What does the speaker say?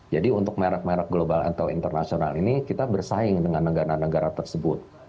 jadi untuk merek merek global atau internasional ini kita bersaing dengan negara negara tersebut